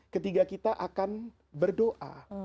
ketika kita akan berdoa